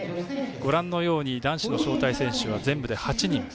ご覧のように男子の招待選手は全部で８人。